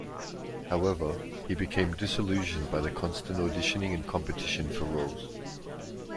However, he became disillusioned by the constant auditioning and competition for roles.